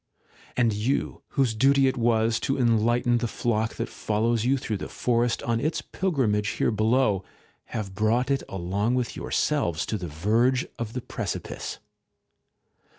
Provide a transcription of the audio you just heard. And you, whose duty it was to enlighten the flock that follows you through the forest on its pilgrimage here below, have brought it along with yourselves to the verge of the precipice?